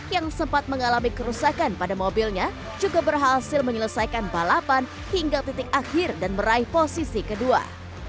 yang sempat mengalami kerusakan pada mobilnya juga berhasil menyelesaikan balapan hingga titik akhir dan meraih posisi kedua